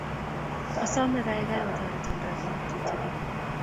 Asome kaikai otoreto rapinik tutikin